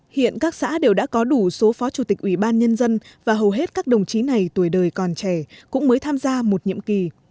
hiện các xã đều đã có đủ số phó chủ tịch ủy ban nhân dân và hầu hết các đồng chí này tuổi đời còn trẻ cũng mới tham gia một nhiệm kỳ